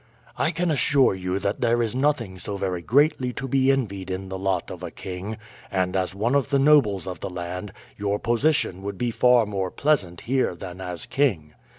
"I can assure you that there is nothing so very greatly to be envied in the lot of a king, and as one of the nobles of the land your position would be far more pleasant here than as king.